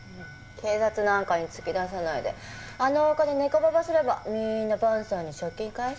警察なんかに突き出さないであのお金ネコババすればみんな萬さんに借金返せたのに。